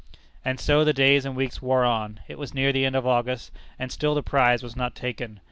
And so the days and weeks wore on; it was near the end of August, and still the prize was not taken.